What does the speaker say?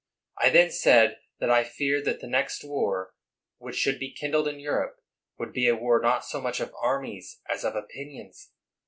I then said that I feared that the next war which should be kindled in Europe would be a war not so much of armies as of opinions.